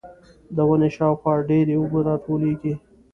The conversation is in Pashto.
د ونې شاوخوا ډېرې اوبه راټولېږي.